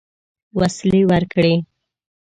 وسلې ورکړې.